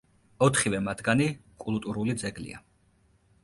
ოთხივე მათგანი კულტურული ძეგლია.